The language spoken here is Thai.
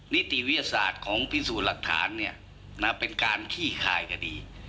นิติวิทยาศาสตร์ของพิสูจน์หลักฐานเป็นการขี้คายคดี